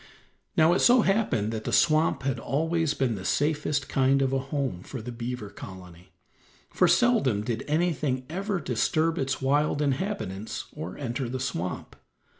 Now it so happened that the swamp had always been the safest kind of a home for the Beaver Colony, for seldom did anything ever disturb its wild inhabitants or enter the swamp.